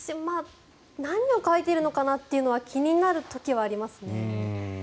何を書いてるのかなっていうのは気になる時はありますね。